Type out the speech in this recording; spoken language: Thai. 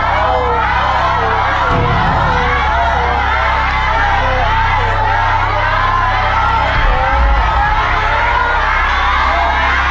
จบ